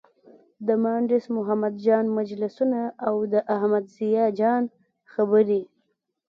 د مانډس محمد خان مجلسونه او د احمد ضیا جان خبرې.